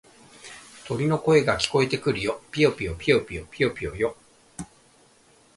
鳥の声が聞こえてくるよ。ぴよぴよ、ぴよぴよ、ぴよぴよよ。